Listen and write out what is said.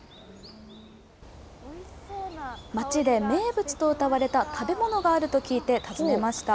町で名物とうたわれた食べ物があると聞いて、訪ねました。